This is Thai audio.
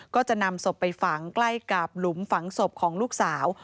ก็จะนำศพไปฝังใกล้กับหลุมฝังศพของลูกสาว